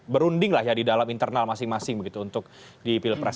berunding lah ya di dalam internal masing masing begitu untuk di pilpres